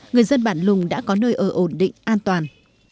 người dân bản lùng đã có nơi ở ổn định an toàn